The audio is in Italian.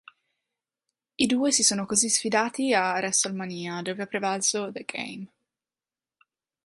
I due si sono così sfidati a WrestleMania, dove ha prevalso "The Game".